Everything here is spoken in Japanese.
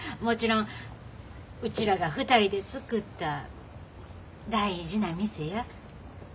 もちろんうちらが２人で作った大事な店や。